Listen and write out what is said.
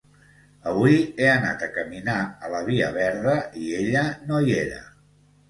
Avui he anat a caminar a la via verda i ella no hi era